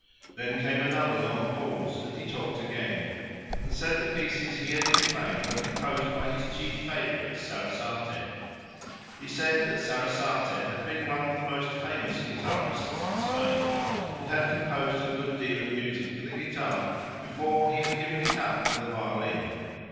Then came another long pause and he talked again, and said the pieces he had been playing were composed by his chief favourite, Sarasate. He said that Sarasate had been one of the most famous guitarists in Spain, and had composed a good deal of music for the guitar before he had given it up for the violin.